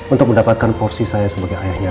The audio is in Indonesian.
untuk mendapatkan porsi saya sebagai ayahnya